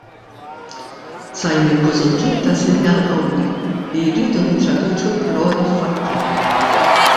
Simon Busuttil ta sinjal qawwi li rridu nittraduċu l-paroli f'fatti.